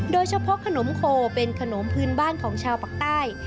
โดยเฉพาะขนมโคเป็นขนมพื้นบ้านของชาวปากใต้